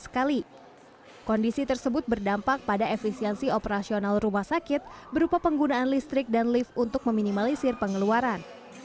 kondisi tersebut berdampak pada efisiensi operasional rumah sakit berupa penggunaan listrik dan lift untuk meminimalisir pengeluaran